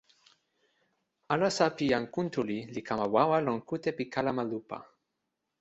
alasa pi jan Kuntuli li kama wawa lon kute pi kalama lupa.